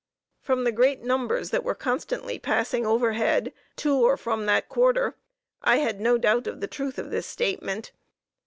From the great numbers that were constantly passing overhead to or from that quarter, I had no doubt of the truth of this statement.